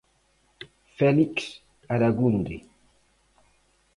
Félix Aragunde...